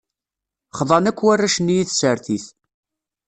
Xḍan akk warrac-nni i tsertit.